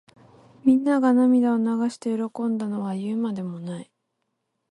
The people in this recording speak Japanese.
みんなが涙を流して喜んだのは言うまでもない。